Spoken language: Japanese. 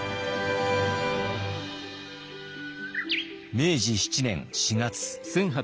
明治７年４月。